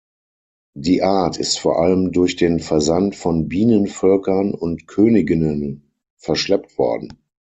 Die Art ist vor allem durch den Versand von Bienenvölkern und Königinnen verschleppt worden.